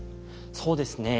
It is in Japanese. そうですね。